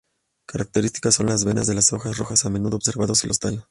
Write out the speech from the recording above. Característico son las venas de las hojas rojas a menudo observados y los tallos.